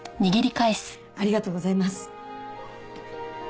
ありがとうございます。